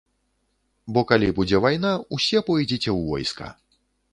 Бо калі будзе вайна, усе пойдзеце ў войска.